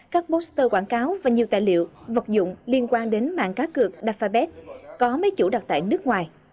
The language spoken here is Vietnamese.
các poster quảng cáo và nhiều tài liệu vật dụng liên quan đến mạng cá cược đặt phai bét có mấy chủ đặt tại nước ngoài